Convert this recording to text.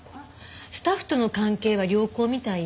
スタッフとの関係は良好みたいよ。